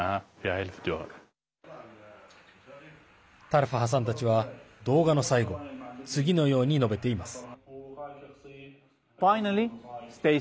タルファハさんたちは動画の最後次のように述べています。